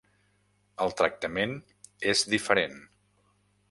El tractament és diferent.